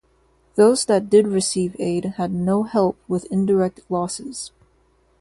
Those that did receive aid had no help with indirect losses.